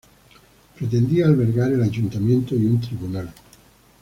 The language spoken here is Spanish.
Pretendía albergar el ayuntamiento y un tribunal.